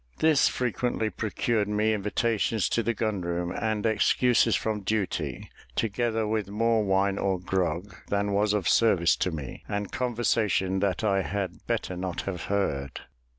This frequently procured me invitations to the gun room, and excuses from duty, together with more wine or grog than was of service to me, and conversation that I had better not have heard.